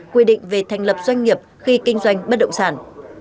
quy định về thành lập doanh nghiệp khi kinh doanh bất động sản